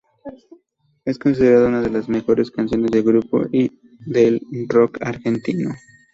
Es considerado una de las mejores canciones del grupo, y del "rock" argentino.